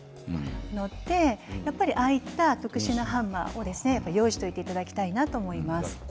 ですのでああいった特殊なハンマーを用意しておいていただきたいなと思います。